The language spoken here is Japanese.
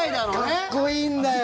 かっこいいんだよ。